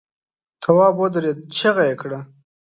تواب ودرېد، چيغه يې کړه!